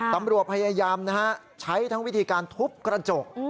ตำรวจพยายามนะฮะใช้ทั้งวิธีการทุบกระจก